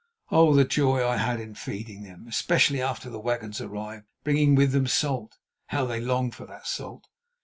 Oh! the joy I had in feeding them, especially after the wagons arrived, bringing with them salt—how they longed for that salt!